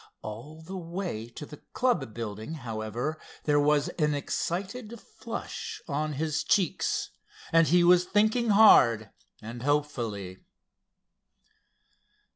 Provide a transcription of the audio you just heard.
All the way to the club building, however, there was an excited flush on his cheeks, and he was thinking hard and hopefully.